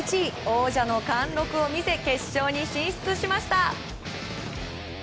王者の貫禄を見せ決勝に進出しました！